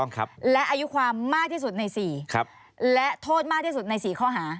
คำมากที่สุดใน๔ครับและโทษมากที่สุดใน๔ข้อหา